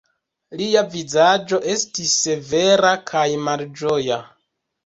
Lia vizaĝo estis severa kaj malĝoja.